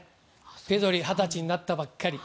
ペドリ、二十歳になったばかり。